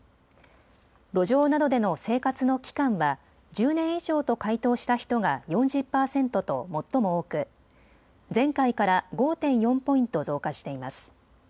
路上などでの生活の期間は１０年以上と回答した人が４０％と最も多く、前回から５．４ポイント増加しています。